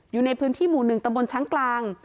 อยู่ในพื้นที่หมู่๑ตำบลช้างกลาง